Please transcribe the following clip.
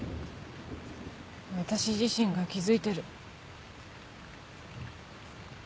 私自身が気付いてる。